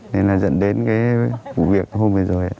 nên là dẫn đến cái vụ việc hôm bây giờ